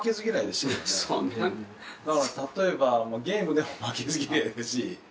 だから、例えばゲームでも負けず嫌いですし。